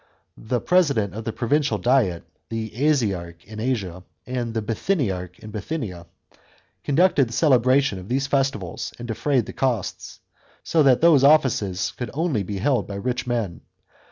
The president of the provincial diet, the Asiarch in Asia, the Bithyniarch in Bithynia, conducted the celebration of these festivals and defrayed the costs ; so that those offices could only be held by rich men.